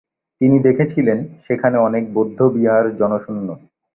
তিনি দেখেছিলেন, সেখানে অনেক বৌদ্ধ বিহার জনশূন্য।